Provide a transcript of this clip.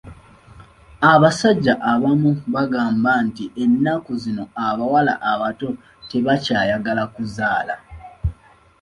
Abasajja abamu bagamba nti ennaku zino abawala abato tebakyayagala kuzaala.